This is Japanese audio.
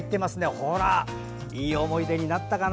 ほら、いい思い出になったかな。